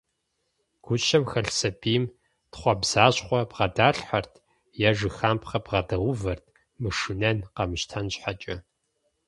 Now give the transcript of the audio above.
Гущэм хэлъ сэбийм, тхъуэбзащхъуэ бгъэдалъхьэрт, е жыхапхъэ бгъэдагъэувэрт мышынэн, къэмыщтэн щхьэкӏэ.